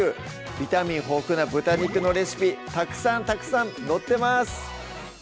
ビタミン豊富な豚肉のレシピたくさんたくさん載ってます